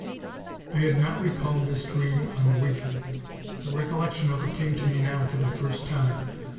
I had not recalled this dream on waking: the recollection of it came to me now for the first time.